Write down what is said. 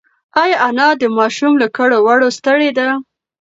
ایا انا د ماشوم له کړو وړو ستړې ده؟